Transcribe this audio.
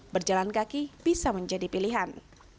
berjalan kaki bisa menjadi pilihan